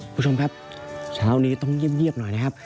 คุณค่ะชาวนี้ต้องเยี่ยมเยี่ยมหน่อยนะครับ